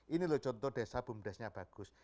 ini loh contoh desa bumdesnya bagus